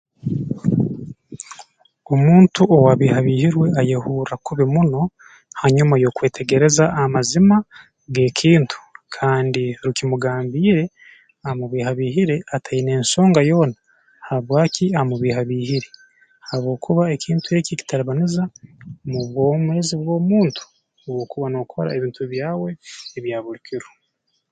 Omuntu owaabiihabiihirwe ayeehurra kubi muno hanyuma y'okwetegereza amazima g'ekintu kandi rukimugambiire amubiihabiihire ataine nsonga yoona habwaki amubiihabiihire habwokuba ekintu eki kitalibaniza mu bwomeezi bw'omuntu obu okuba nookora ebintu byawe ebya buli kiro